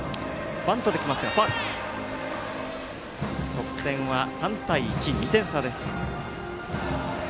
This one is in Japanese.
得点は３対１、２点差です。